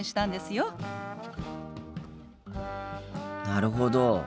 なるほど。